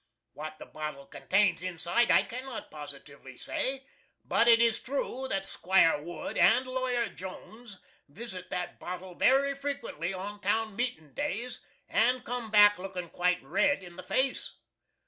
What the bottle contains inside I cannot positively say, but it is true that 'Squire Wood and Lawyer Jones visit that bottle very frequently on town meeting days and come back looking quite red in the face.